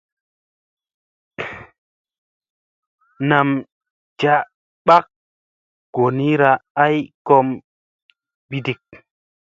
Nam ja bak goonira ay kom biɗik.